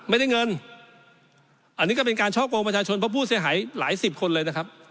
อันนี้ก็เป็นการชอบโกงประชาชนเพราะพูดเสียหายหลายสิบคนเลยนะครับ